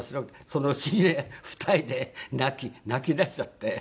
そのうちにね２人で泣き出しちゃって。